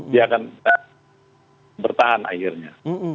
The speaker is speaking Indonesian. dia akan bertahan akhirnya